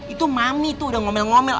itu mami tuh udah ngomel ngomel